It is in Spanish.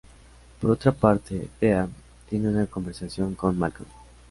Por otra parte, Thea tiene una conversación con Malcolm.